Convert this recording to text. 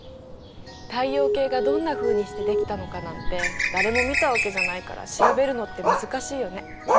太陽系がどんなふうにしてできたのかなんて誰も見たわけじゃないから調べるのって難しいよね。